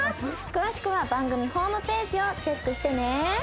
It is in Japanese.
詳しくは番組ホームページをチェックしてね。